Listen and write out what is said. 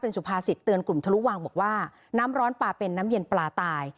สุภาษิตเตือนกลุ่มทะลุวางบอกว่าน้ำร้อนปลาเป็นน้ำเย็นปลาตาย